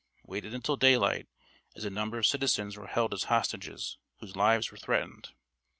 Waited until daylight, as a number of citizens were held as hostages, whose lives were threatened.